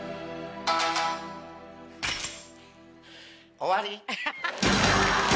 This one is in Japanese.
終わり。